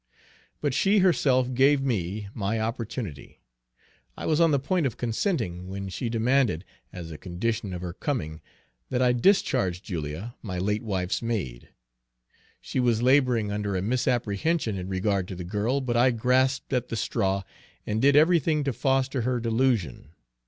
But she herself gave me my opportunity. I was on the point of consenting, when she demanded, as a condition of her coming, that I discharge Julia, my late wife's maid. She was laboring under a misapprehension in regard to the girl, but I grasped at the straw, and did everything to foster her delusion.